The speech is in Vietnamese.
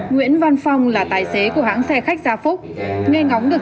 nguyễn văn phong là tài xế của hãng xe khách gia phúc